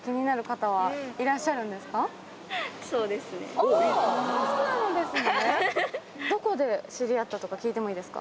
おそうなんですね。